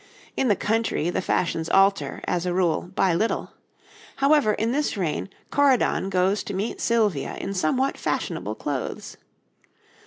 In the country the fashions alter, as a rule, but little; however, in this reign Corydon goes to meet Sylvia in somewhat fashionable clothes.